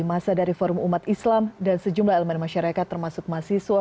masa dari forum umat islam dan sejumlah elemen masyarakat termasuk mahasiswa